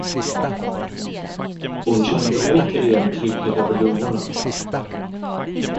Hon kände återigen trycket över lungorna.